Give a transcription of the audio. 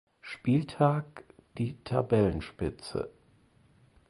Spieltag die Tabellenspitze.